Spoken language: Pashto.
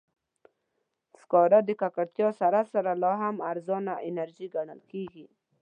سکاره د ککړتیا سره سره، لا هم ارزانه انرژي ګڼل کېږي.